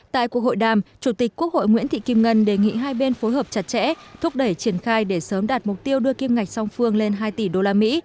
tại cuộc hội đàm chủ tịch quốc hội nguyễn thị kim ngân đề nghị hai bên phối hợp chặt chẽ thúc đẩy triển khai để sớm đạt mục tiêu đưa kim ngạch song phương lên hai tỷ đô la mỹ